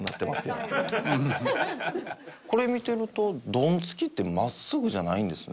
「これ見てるとドンツキって真っすぐじゃないんですね」